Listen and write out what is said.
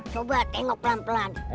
coba tengok pelan pelan